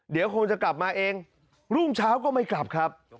เดี๋ยวคงจะกลับมาเองรุ่งเช้าก็ไม่กลับครับ